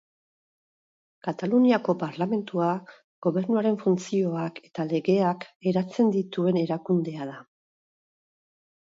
Kataluniako Parlamentua Gobernuaren funtzioak eta legeak eratzen dituen erakundea da.